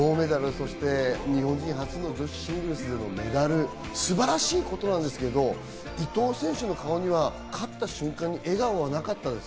そして日本人初の女子シングルスでのメダル、素晴らしいことなんですけど、伊藤選手の顔には勝った瞬間に笑顔はなかったです。